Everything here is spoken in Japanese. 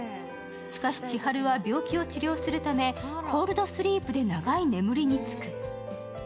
しかし千遥は病気を治療するためコールドスリープで長い眠りにつく。